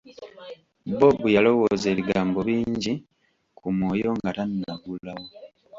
Bob yalowooza ebigambo bingi ku mwoyo nga tannaggulawo.